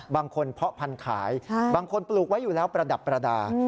บางคนเพาะพันธุ์ขายบางคนปลูกไว้อยู่แล้วประดับประดาษ